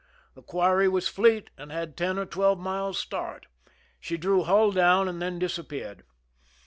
The quarry was fleet and had I ten or twelve Liiles' start. She drew hull down and \ then disappeared.